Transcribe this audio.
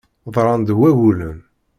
Ḍran-d wagulen.